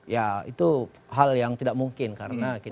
ya itu hal yang tidak mungkin karena